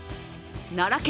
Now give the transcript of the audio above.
奈良県